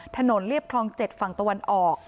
เรียบคลอง๗ฝั่งตะวันออก